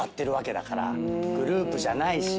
グループじゃないし。